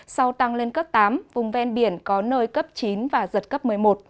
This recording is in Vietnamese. sau tăng lên cấp tám vùng ven biển có nơi cấp chín và giật cấp một mươi một